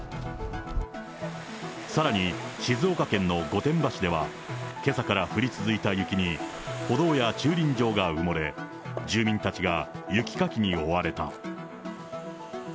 さらに静岡県の御殿場市では、けさから降り続いた雪に、歩道や駐輪場が埋もれ、住民たちが雪かきに追われた。